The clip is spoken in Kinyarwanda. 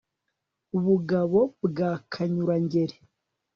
bugabo bwa kanyurangeri